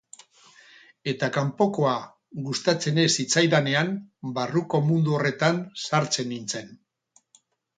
Eta kanpokoa gustatzen ez zitzaidanean, barruko mundu horretan sartzen nintzen.